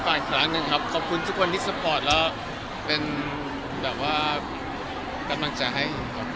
ฝากร้านหนึ่งครับขอบคุณทุกคนที่สปอร์ตแล้วเป็นกำลังจะให้